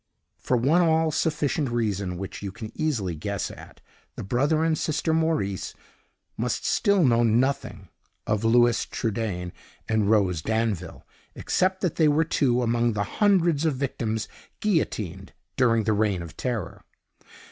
For one all sufficient reason, which you can easily guess at, the brother and sister Maurice must still know nothing of Louis Trudaine and Rose Danville, except that they were two among the hundreds of victims guillotined during the Reign of Terror."